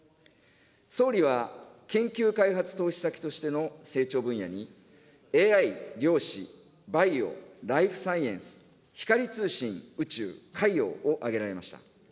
総理は研究開発投資先としての成長分野に、ＡＩ、量子、バイオ、ライフサイエンス、光通信、宇宙、海洋を挙げられました。